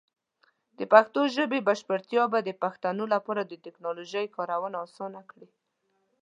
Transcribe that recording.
د پښتو ژبې بشپړتیا به د پښتنو لپاره د ټیکنالوجۍ کارونه اسان کړي.